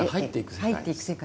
入っていく世界。